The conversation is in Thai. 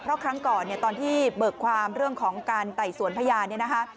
เพราะครั้งก่อนตอนที่เบิกความเรื่องของการไต่สวนพญาน